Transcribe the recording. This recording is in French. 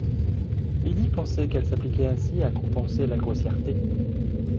Lydie pensait qu’elle s’appliquait ainsi à compenser la grossièreté